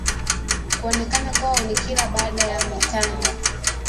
kuonekana kwao ni kila baada ya mitano